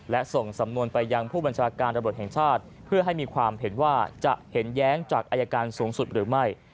และส่งสำนวนไปยังผู้บัญชาการตำรวจแห่งชาติเพื่อให้มีความเห็นว่าจะเห็นแย้งจากอายการสูงสุดหรือไม่